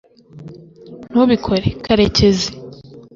ntubikore, karekezi